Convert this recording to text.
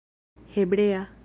hebrea